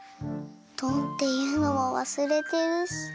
「ドン」っていうのもわすれてるし。